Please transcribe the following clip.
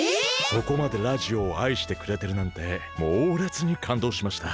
そこまでラジオをあいしてくれてるなんてもうれつにかんどうしました！